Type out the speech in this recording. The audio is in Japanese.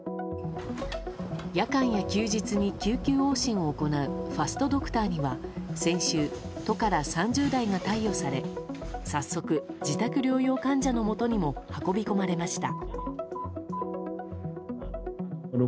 夜間や休日に救急往診を行うファストドクターには先週、都から３０台が貸与され早速、自宅療養患者のもとにも運び込まれました。